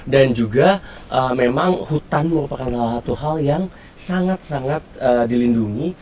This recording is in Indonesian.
dan juga memang hutan merupakan salah satu hal yang sangat sangat dilindungi